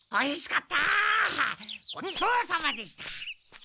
ごちそうさまでした。